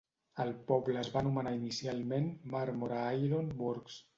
El poble es va anomenar inicialment Marmora Iron Works.